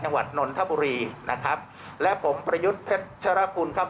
ยังหวัดนนทบุรีนะครับและผมพระยุทธเพชรคุณครับ